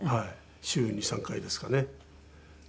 週２３回ですかね。